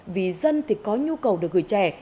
vì dân thì có nhu cầu được gửi trẻ